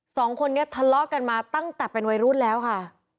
สองคนนี้ทะเลาะกันมาตั้งแต่เป็นวัยรุ่นแล้วค่ะ